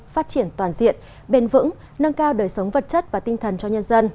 phát triển toàn diện bền vững nâng cao đời sống vật chất và tinh thần cho nhân dân